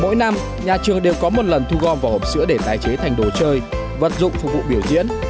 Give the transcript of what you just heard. mỗi năm nhà trường đều có một lần thu gom vào hộp sữa để tái chế thành đồ chơi vật dụng phục vụ biểu diễn